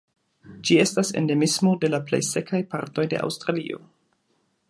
Ĝi estas endemismo de la plej sekaj partoj de Aŭstralio.